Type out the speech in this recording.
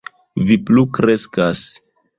Vi plu kreskas.